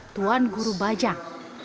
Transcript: tuan guru bajang